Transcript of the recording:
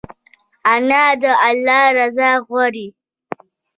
انا د الله رضا غواړي